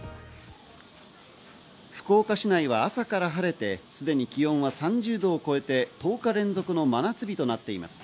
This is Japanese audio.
福岡市内は朝から晴れて、すでに気温は３０度を超えて、１０日連続の真夏日となっています。